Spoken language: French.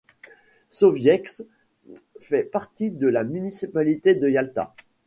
Sovietske fait partie de la municipalité de Yalta.